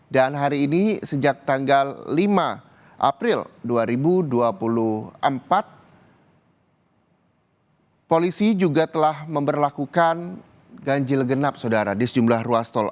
dan hari ini sejak tanggal lima april dua ribu dua puluh empat polisi juga telah memberlakukan ganjil genap saudara di sejumlah ruas tol